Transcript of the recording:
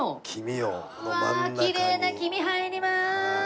きれいな黄身入ります！